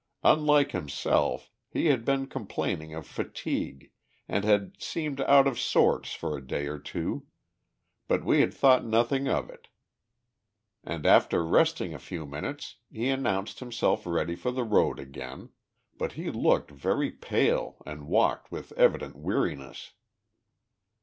Unlike himself, he had been complaining of fatigue, and had seemed out of sorts for a day or two, but we had thought nothing of it; and, after resting a few minutes, he announced himself ready for the road again, but he looked very pale and walked with evident weariness.